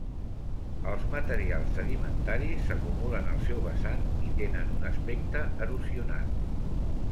Els materials sedimentaris s’acumulen al seu vessant i tenen un aspecte erosionat.